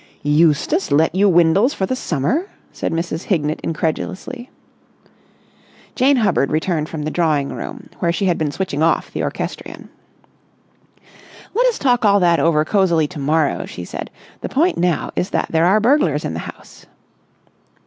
"Eustace let you Windles for the summer!" said Mrs. Hignett incredulously. Jane Hubbard returned from the drawing room, where she had been switching off the orchestrion. "Let us talk all that over cosily to morrow," she said. "The point now is that there are burglars in the house."